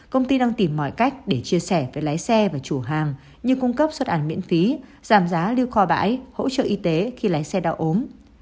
công ty đang tìm mọi cách để chia sẻ với lái xe và chủ hàng như cung cấp xuất ăn miễn phí giảm giá lưu kho bãi hỗ trợ y tế khi lái xe đau ốm